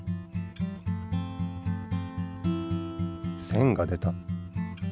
線が出た。